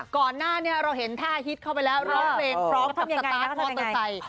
ก่อนหน้านี้เราเห็นท่าฮิตเข้าไปแล้วร้องเพลงพร้อมกับสตาร์ทมอเตอร์ไซค์